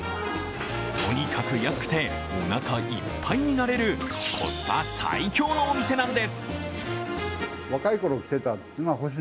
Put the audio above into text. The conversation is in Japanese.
とにかく安くておなかいっぱいになれるコスパ最強のお店なんです。